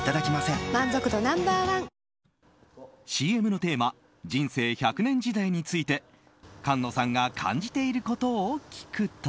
ＣＭのテーマ人生１００年時代について菅野さんが感じていることを聞くと。